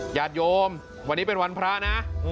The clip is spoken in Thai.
ญาติโยมวันนี้เป็นวันพระนะ